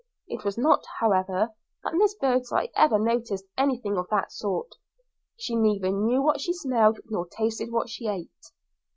It was not, however, that Miss Birdseye ever noticed anything of that sort; she neither knew what she smelled nor tasted what she ate.